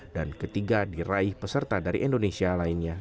dan ketiga diraih peserta dari indonesia lainnya